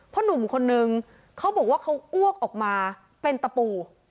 หนุ่มคนนึงเขาบอกว่าเขาอ้วกออกมาเป็นตะปู